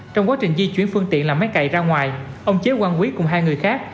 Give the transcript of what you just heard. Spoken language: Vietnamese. trong quá trình di chuyển phương tiện làm máy cầy ra ngoài ông chế quang quý cùng hai người khác